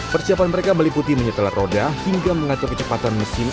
persiapan mereka meliputi menyetel roda hingga mengacau kecepatan mesin